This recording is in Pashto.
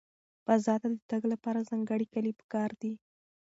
فضا ته د تګ لپاره ځانګړي کالي پکار دي.